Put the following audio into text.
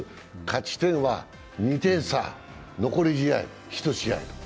勝ち点は２点差、残り試合１試合。